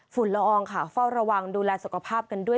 ละอองค่ะเฝ้าระวังดูแลสุขภาพกันด้วย